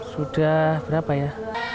sudah berapa ya